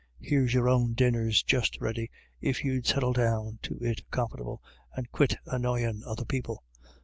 " Here's your own dinners just ready, if you'd settle down to it conformable, and quit annoyin' other people."